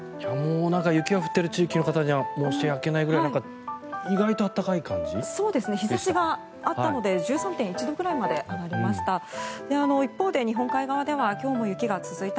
雪が降っている地域の方には申し訳ないぐらい日差しがあったので１３．１度ぐらいまで上がりました。